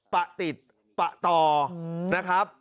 ปะติดปะต่อนะครับ